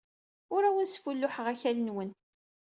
Ur awen-sfulluḥeɣ akal-nwen.